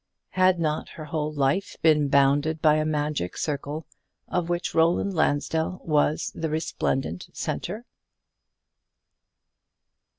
Had not her whole life been bounded by a magic circle, of which Roland Lansdell was the resplendent centre?